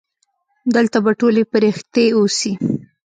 دلته به ټولې پرښتې اوسي.